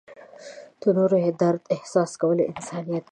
د نورو درد احساس کول انسانیت دی.